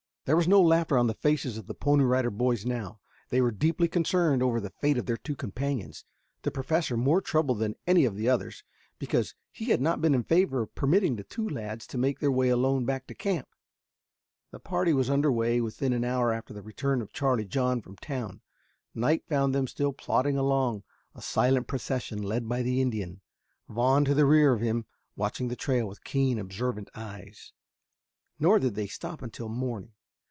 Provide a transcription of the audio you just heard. There was no laughter on the faces of the Pony Rider Boys now. They were deeply concerned over the fate of their two companions, the Professor more troubled than any of the others, because he had not been in favor of permitting the two lads to make their way alone back to the camp. The party was under way within an hour after the return of Charlie John from town. Night found them still plodding along, a silent procession, led by the Indian, Vaughn to the rear of him watching the trail with keen, observant eyes. Nor did they stop until morning.